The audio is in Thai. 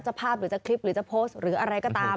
ภาพหรือจะคลิปหรือจะโพสต์หรืออะไรก็ตาม